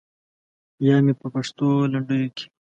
یا مې په پښتو لنډیو کې.